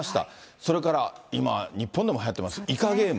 それから今、日本でもはやっていますイカゲーム。